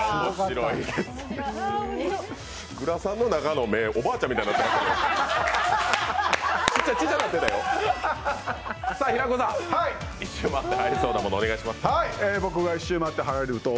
グラサンの中の目、おばあちゃんみたいになってましたけど。